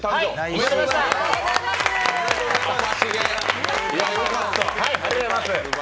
おめでとうございます。